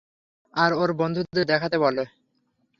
আর ওর বন্ধুদের দেখাতে বলে।